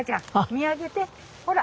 見上げてほら！